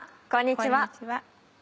こんにちは。